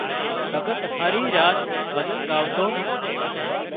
ڀڳت هاري راڇ ڀزن ڳاوتو